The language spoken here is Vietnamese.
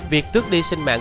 việc tước đi sinh mạng